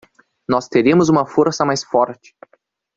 Nós teremos uma força mais forte